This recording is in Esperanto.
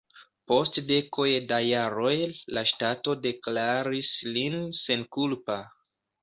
Post dekoj da jaroj la ŝtato deklaris lin senkulpa.